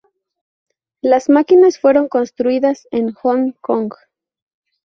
Las máquinas fueron construidas en Hong Kong.